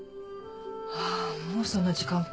ああもうそんな時間か。